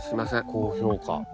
高評価。